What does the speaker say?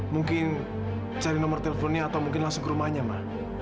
mungkin cari nomor teleponnya atau mungkin langsung ke rumahnya mbak